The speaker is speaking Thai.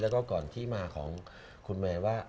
แล้วก็ก่อนที่มาของคุณแมนว่า